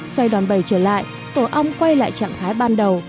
xoay đòn bầy trở lại tổ ong quay lại trạng thái ban đầu